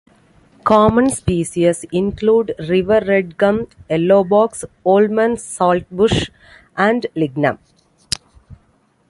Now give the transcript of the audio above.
Common species include River Red Gum, Yellow Box, Oldman Saltbush and Lignum.